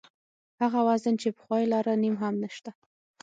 هغه وزن چې پخوا یې لاره نیم هم نشته.